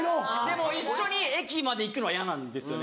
でも一緒に駅まで行くのは嫌なんですよね。